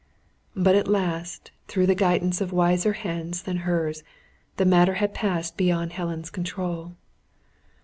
But, at last, through the guidance of wiser Hands than hers, the matter had passed beyond Helen's control.